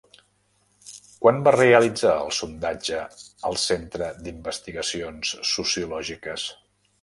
Quan va realitzar el sondatge el Centre d'Investigacions Sociològiques?